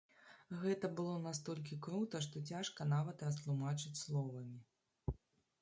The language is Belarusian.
Гэта было настолькі крута, што цяжка нават растлумачыць словамі.